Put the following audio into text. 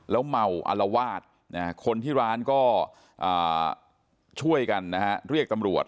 แล้วเมาอลวาดคนที่ร้านก็ช่วยกันนะฮะเรียกตำรวจ